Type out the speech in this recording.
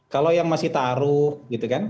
kalau yang masih taruh gitu kan